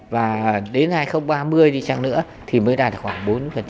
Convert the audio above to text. và đến hai nghìn ba mươi đi chăng nữa thì mới đạt khoảng bốn mươi